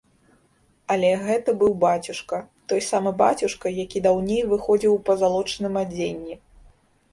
Але, гэта быў бацюшка, той самы бацюшка, які даўней выходзіў у пазалочаным адзенні.